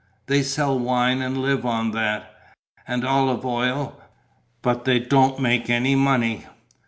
They sell wine and live on that. And olive oil; but they don't make any money.